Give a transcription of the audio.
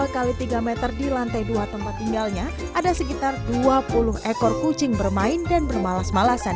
dua x tiga meter di lantai dua tempat tinggalnya ada sekitar dua puluh ekor kucing bermain dan bermalas malasan